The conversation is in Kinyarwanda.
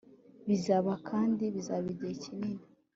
bizaba, kandi bizaba igihe kinini